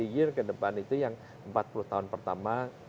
year ke depan itu yang empat puluh tahun pertama